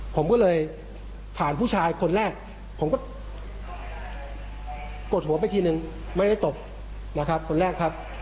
ผมก็เลยผ่านผู้ชายคนแรกผมก็กดหัวไปทีนึงไม่ได้ตบนะครับคนแรกครับ